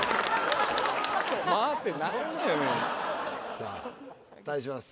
さあ対します